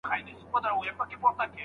پر تورو رباتونو قافلې دي چي راځي